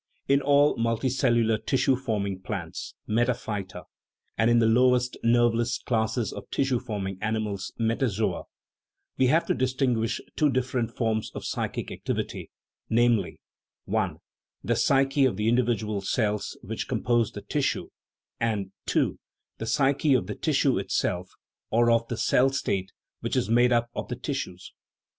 In all multicellular, tissue forming plants (metaphyta) and in the lowest, nerve THE PHYLOGENY OF THE SOUL less classes of tissue forming animals (metazoa) we have to distinguish two different forms of psychic ac tivity namely : (i) the psyche of the individual cells which compose the tissue, and (2) the psyche of the tis sue itself, or of the " cell state " which is made up of the tissues.